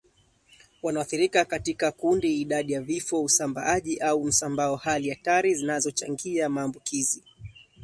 wanaoathiriwa katika kundi idadi ya vifo usambaaji au msambao hali hatari zinazochangia maambukizi